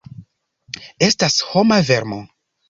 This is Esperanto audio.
Estas homa vermo!